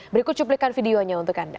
berikut cuplikan videonya untuk anda